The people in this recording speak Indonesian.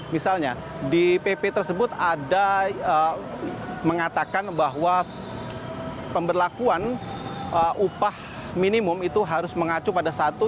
misalnya di pp tersebut ada mengatakan bahwa pemberlakuan upah minimum itu harus mengacu pada satu